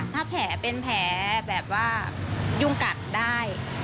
ถ้าแผลเป็นแผลแบบว่ายุ่งกัดได้